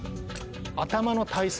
頭の体操。